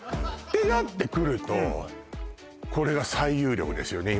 てなってくるとうんこれが最有力ですよね